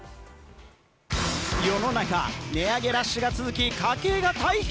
世の中、値上げラッシュが続き、家計が大変！